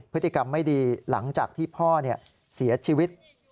พฤติกรรมไม่ดีหลังจากที่พ่อเสียชีวิต